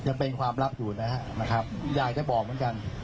ยังเป็นความลับอยู่นะครับอยากจะบอกเหมือนกัน